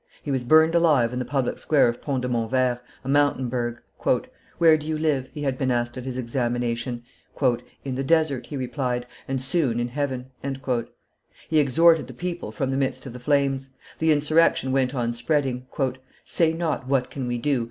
He was burned alive in the public square of Pont de Montvert, a mountain burgh. "Where do you live?" he had been asked at his examination. "In the desert," he replied, "and soon in heaven." He exhorted the people from the midst of the flames. The insurrection went on spreading. "Say not, What can we do?